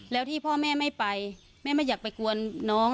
แล้วที่พ่อแม่ไม่ไปแม่ไม่อยากไปกวนน้อง